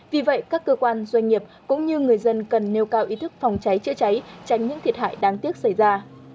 vì vậy các cơ quan doanh nghiệp cũng như người dân cần nêu cao ý thức phòng cháy chữa cháy tránh những thiệt hại đáng tiếc xảy ra